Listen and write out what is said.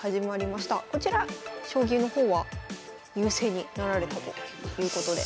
こちら将棋の方は優勢になられたということで。